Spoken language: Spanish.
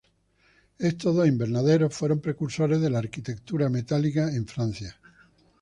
Estos dos invernaderos fueron precursores de la arquitectura metálica en Francia.